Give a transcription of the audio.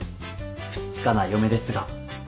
ふつつかな嫁ですが